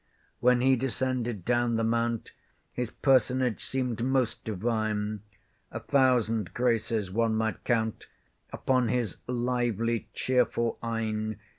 When he descended down the mount, His personage seemed most divine: A thousand graces one might count Upon his lovely chearful eyne.